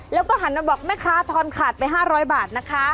แล้วก็หันมาบอกแม่ค้าทอนขาดไป๕๐๐บาทนะคะ